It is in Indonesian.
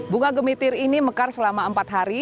bunga gemitir ini mekar selama empat hari